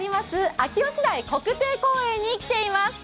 秋吉台国定公園に来ています。